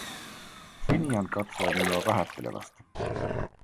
Finian katsoi minua vähättelevästi: